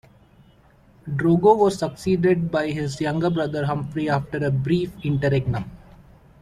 Drogo was succeeded by his younger brother Humphrey after a brief interregnum.